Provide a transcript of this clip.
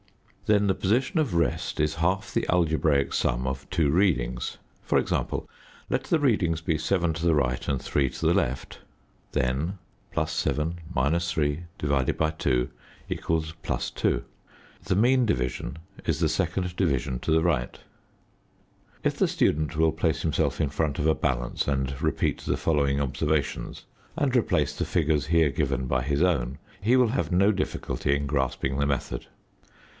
Then the position of rest is half the algebraic sum of two readings. For example, let the readings be 7 to the right and 3 to the left, then (+7 3)/2 = +2. The mean division is the second division to the right. If the student will place himself in front of a balance and repeat the following observations and replace the figures here given by his own, he will have no difficulty in grasping the method.